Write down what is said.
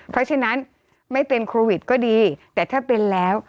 เพราะฉะนั้นไม่เป็นโควิดก็ดีแต่ถ้าเป็นแล้ว